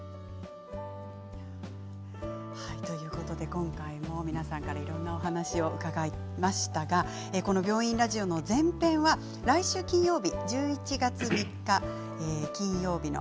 今回も皆さんからいろんなお話を伺いましたが「病院ラジオ」の全編は来週金曜日、放送します。